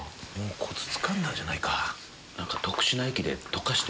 コツつかんだんじゃない？